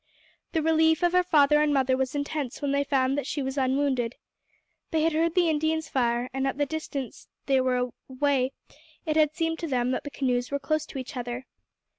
The relief of her father and mother was intense when they found that she was unwounded. They had heard the Indians fire, and at the distance they were away it had seemed to them that the canoes were close to each other.